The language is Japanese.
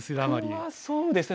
僕はそうですね。